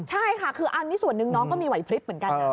ใช่ค่ะคืออันนี้ส่วนหนึ่งน้องก็มีไหวพลิบเหมือนกันนะ